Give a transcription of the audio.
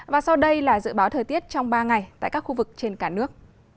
và sau đây là dự báo thời tiết trong ba ngày tại các khu vực trên cả nước